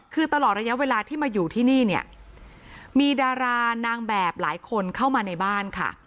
คือตลอดระยะเวลาที่มาอยู่ที่นี่เนี่ยมีดารานางแบบหลายคนเข้ามาในบ้านค่ะ